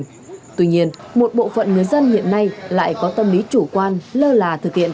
lơ là thử nghiệm và một bộ phận người dân hiện nay lại có tâm lý chủ quan lơ là thử nghiệm